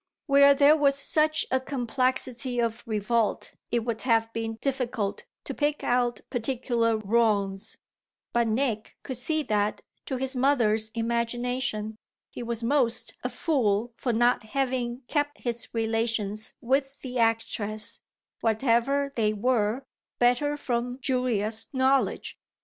Where there was such a complexity of revolt it would have been difficult to pick out particular wrongs; but Nick could see that, to his mother's imagination, he was most a fool for not having kept his relations with the actress, whatever they were, better from Julia's knowledge.